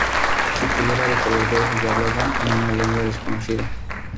Su piel era de color verde, y hablaban en una lengua desconocida.